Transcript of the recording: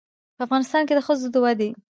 په افغانستان کې د ښځو د ودې